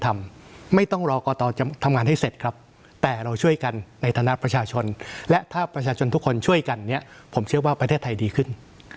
ไม่ต้องรอกตจะทำงานให้เสร็จครับแต่เราช่วยกันในฐานะประชาชนและถ้าประชาชนทุกคนช่วยกันเนี่ยผมเชื่อว่าประเทศไทยดีขึ้น